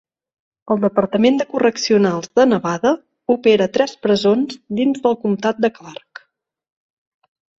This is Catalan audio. El Departament de Correccionals de Nevada opera tres presons dins del comtat de Clark.